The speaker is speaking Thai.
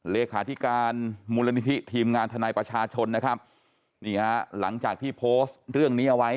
เลขาธิการมูลนิธิทีมงานทนายประชาชนนะครับนี่ฮะหลังจากที่โพสต์เรื่องนี้เอาไว้